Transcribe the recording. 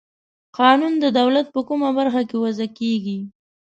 قانون د دولت په کومه برخه کې وضع کیږي؟